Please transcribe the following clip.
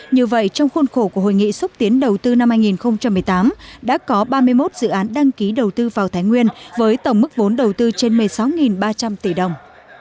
như vậy trong khuôn khổ của hội nghị xúc tiến đầu tư năm hai nghìn một mươi tám đã có ba mươi một dự án đăng ký đầu tư vào thái nguyên với tổng mức vốn đầu tư trên một mươi sáu ba trăm linh tỷ đồng